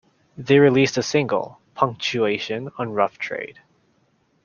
They released a single, "Punktuation" on Rough Trade.